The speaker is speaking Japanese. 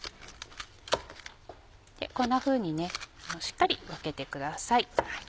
こんなふうにねしっかり分けてください。